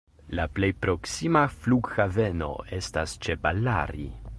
La plej proksima flughaveno estas ĉe Ballari.